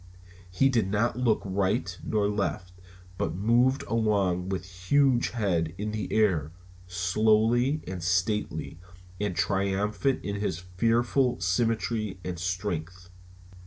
He did not look right nor left, but moved along with huge head in the air, slow and stately, and triumphant in his fearful symmetry and strength.